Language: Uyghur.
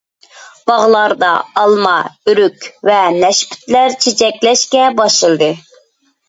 باغلاردا ئالما، ئۆرۈك ۋە نەشپۈتلەر چېچەكلەشكە باشلىدى.